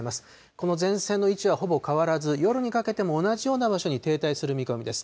この前線の位置はほぼ変わらず、夜にかけても同じような場所に停滞する見込みです。